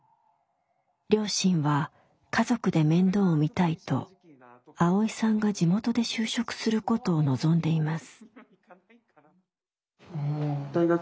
両親は家族で面倒を見たいとアオイさんが地元で就職することを望んでいます。